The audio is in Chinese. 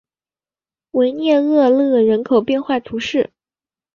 维涅厄勒人口变化图示